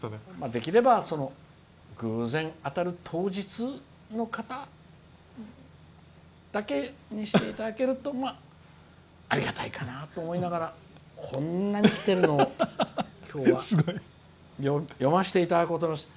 できれば偶然当たる当日の方だけにしていただけるとありがたいかなと思いながらこんなにきてるのを今日は読ませていただこうと思います。